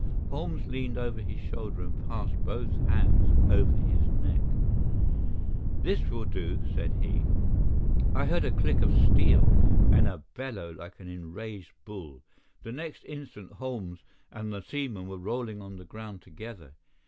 Holmes leaned over his shoulder and passed both hands over his neck. "This will do," said he. I heard a click of steel and a bellow like an enraged bull. The next instant Holmes and the seaman were rolling on the ground together.